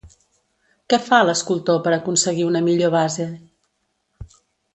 Què fa l'escultor per aconseguir una millor base?